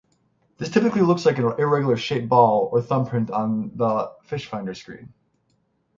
This typically looks like an irregularly shaped ball or thumbprint on the fishfinder screen.